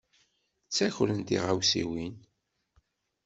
Ttakren tiɣawsiwin.